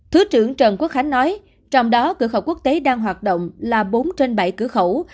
thứ trưởng trần quốc khánh nói trong đó cửa khẩu quốc tế đang hoạt động là bốn trên bảy cửa khẩu